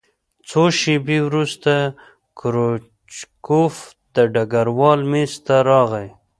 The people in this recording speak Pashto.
څو شېبې وروسته کروچکوف د ډګروال مېز ته راغی